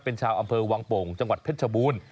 เป็นชาวอำเภอวังโป่งจังหวัดเพชรชบูรณ์